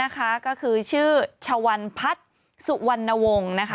ก็คือชื่อชวันพัฒน์สุวรรณวงศ์นะคะ